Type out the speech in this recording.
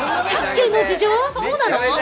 そうなの？